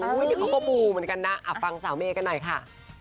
โอ้ยเห็นก้าวก็ปูเหมือนกันนะฟังสาวเม็กันหน่อยค่ะ